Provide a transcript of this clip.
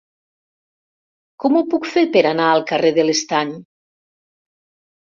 Com ho puc fer per anar al carrer de l'Estany?